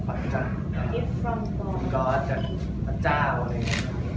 ขวัญจากก็จากพระเจ้าอะไรอย่างนี้